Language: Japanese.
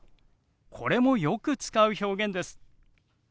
これもよく使う表現です。